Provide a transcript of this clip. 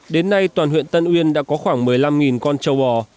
đến nay toàn huyện tân uyên đã có khoảng một mươi năm con trâu bò